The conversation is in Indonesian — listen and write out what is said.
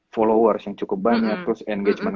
followers yang cukup banyak terus engagement